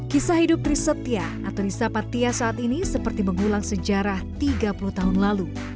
kisah hidup trisetia atau risa patia saat ini seperti mengulang sejarah tiga puluh tahun lalu